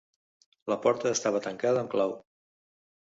La porta estava tancada amb clau.